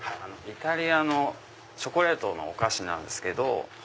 イタリアのチョコレートのお菓子なんです。